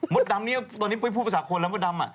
มดดำเนี่ยตอนนี้ไปพูดภาษาคนแล้วมดดำอ่ะ